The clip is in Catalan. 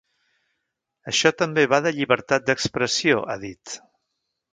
Això també va de llibertat d’expressió, ha dit.